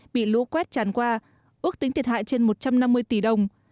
bị lũ quét tràn qua ước tính thiệt hại trên một trăm năm mươi tỷ đồng